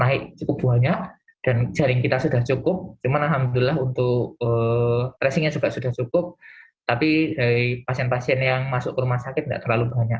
dari sini kita lihat memang kasus kasus memang naik cukup banyak dan jaring kita sudah cukup cuman alhamdulillah untuk tracingnya juga sudah cukup tapi dari pasien pasien yang masuk ke rumah sakit nggak terlalu banyak